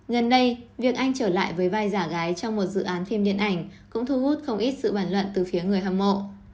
gần đây việc anh trở lại với vai giả gái trong một dự án phim điện ảnh cũng thu hút không ít sự bàn luận từ phía người hâm mộ